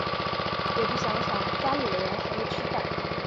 也不想想家里的人还没吃饭